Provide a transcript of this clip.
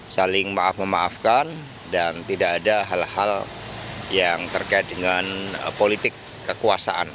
saling maaf memaafkan dan tidak ada hal hal yang terkait dengan politik kekuasaan